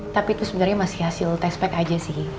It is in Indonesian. tapi itu sebenarnya masih hasil test pack aja sih